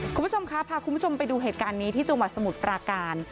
คุณผู้ชมคะพาคุณผู้ชมไปดูเหตุการณ์นี้ที่จังหวัดสมุทรปราการ